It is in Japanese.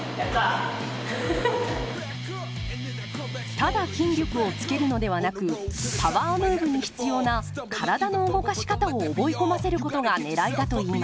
ただ筋力をつけるのではなくパワームーブに必要な体の動かし方を覚え込ませることがねらいだといいます。